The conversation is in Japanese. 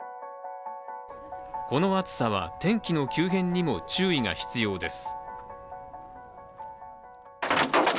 この暑さは天気の急変にも注意が必要です。